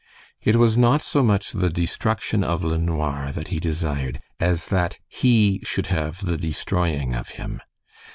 It was not so much the destruction of LeNoir that he desired as that he should have the destroying of him.